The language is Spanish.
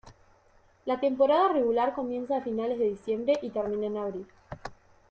La temporada regular comienza a finales de diciembre y termina en abril.